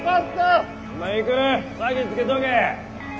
先つけとけ。